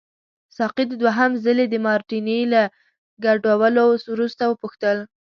ساقي د دوهم ځلي د مارټیني له ګډولو وروسته وپوښتل.